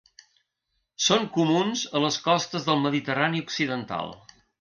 Són comuns a les costes del Mediterrani Occidental.